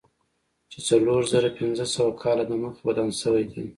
چې څلور زره پنځه سوه کاله دمخه ودان شوی دی.